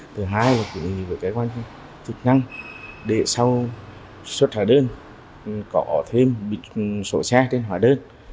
thứ hai là kỹ năng để sau xuất hóa đơn có thêm sổ xe trên hóa đơn